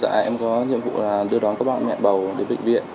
dạ em có nhiệm vụ là đưa đón các bạn mẹ bầu đến bệnh viện